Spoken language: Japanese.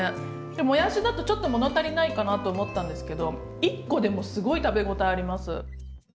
もやしだとちょっと物足りないかなと思ったんですけど１個でもすごい食べ応えあります。